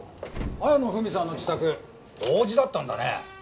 綾野文さんの自宅王子だったんだね。